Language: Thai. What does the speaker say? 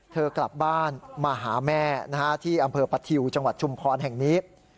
เธอกลับบ้านมาหาแม่ที่อำเภอประทิวจังหวัดชุมพรแห่งนี้